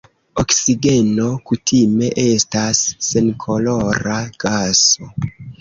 Oksigeno kutime estas senkolora gaso.